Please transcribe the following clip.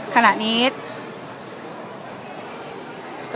ขณะนี้